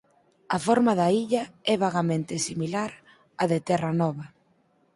A forma da illa é vagamente similar á de Terra Nova.